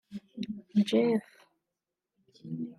Jeff